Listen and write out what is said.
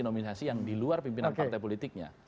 nominasi yang di luar pimpinan partai politiknya